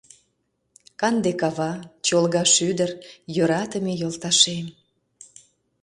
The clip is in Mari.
Канде кава, чолга шӱдыр — Йӧратыме йолташем.